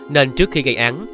nên trước khi gây án